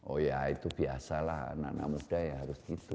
oh ya itu biasa lah anak anak muda ya harus gitu